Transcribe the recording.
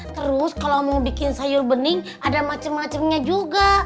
terus kalau mau bikin sayur bening ada macam macamnya juga